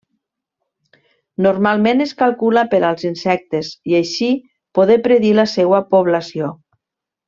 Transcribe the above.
Normalment es calcula per als insectes, i així poder predir la seua població.